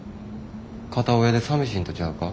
片親でさみしいんとちゃうか？